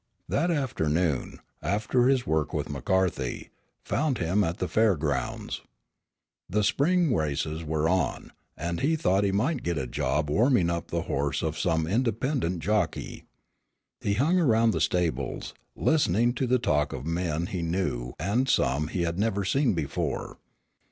That afternoon, after his work with McCarthy, found him at the Fair grounds. The spring races were on, and he thought he might get a job warming up the horse of some independent jockey. He hung around the stables, listening to the talk of men he knew and some he had never seen before.